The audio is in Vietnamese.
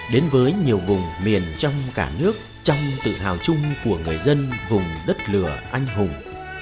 đến với nhiều vùng miền trong cả nước trong tự hào chung của người dân vùng đất lửa anh hùng